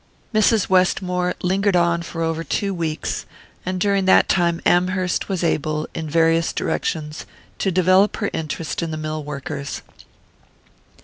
Mrs. Westmore lingered on for over two weeks, and during that time Amherst was able, in various directions, to develop her interest in the mill workers.